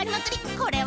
これは？